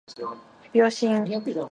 秒針